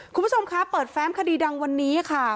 คุณผู้ชมคะเปิดแฟ้มคดีดังวันนี้ค่ะ